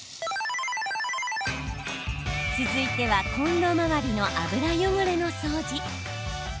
続いては、コンロ周りの油汚れの掃除。